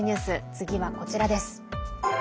次はこちらです。